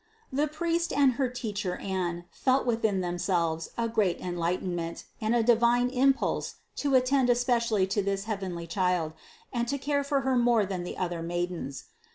469. The priest and her teacher Anne felt within them selves a great enlightenment and a divine impulse to at tend especially to this heavenly Child and to care for Her more than the other maidens.